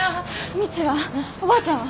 未知はおばあちゃんは？